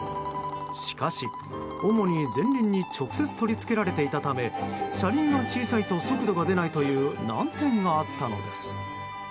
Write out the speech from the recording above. しかし、主に前輪に直接取り付けられていたため車輪が小さいと速度が出ないという難点があったのです。